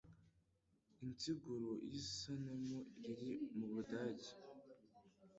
Insiguro y'isanamu riri mubudajye